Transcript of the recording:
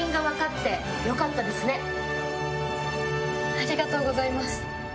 ありがとうございます。